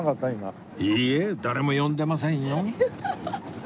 いいえ誰も呼んでませんよ